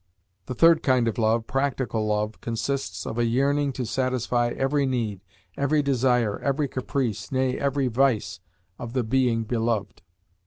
The third kind of love practical love consists of a yearning to satisfy every need, every desire, every caprice, nay, every vice, of the being beloved.